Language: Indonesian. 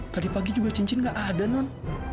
tadi pagi juga cincin nggak ada non